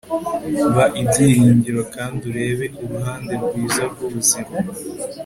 ba ibyiringiro kandi urebe uruhande rwiza rwubuzima